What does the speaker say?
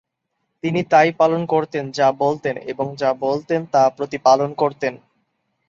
তিনি তাই পালন করতেন যা বলতেন, এবং যা বলতেন তা প্রতিপালন করতেন।